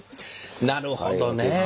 なるほどね。